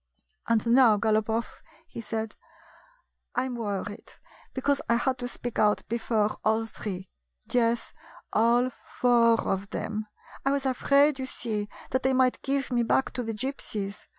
" And now, Galopoff," he said, " I 'm worried because I had to speak out before all three — yes, all four of them. I was afraid, you see, that they might give me back to the Gypsies.